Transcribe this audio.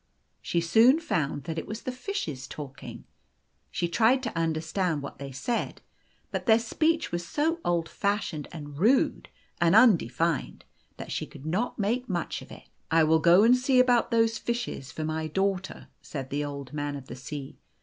She soon found that it was the fishes talking. She tried to understand what they said; but their speech was so 2oo The Golden Key old fashioned, and rude, and undefined, that she could not make much of it. " I will go and see about those fishes for my daugh ter," said the Old Man of the Sea.